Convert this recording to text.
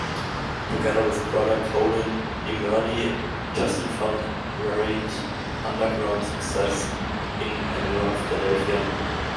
Together with brother Colin Emerle, Justin found varied underground success in and around Philadelphia.